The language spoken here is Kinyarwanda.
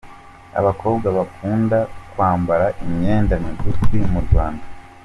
Abakobwa bakunda kwambara imyenda migufi murwanda